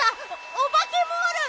オバケモール！